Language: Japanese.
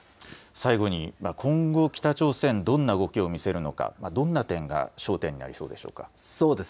最後に今後、北朝鮮どんな動きを見せるのか、どんな点が焦点になりそうでしょうか。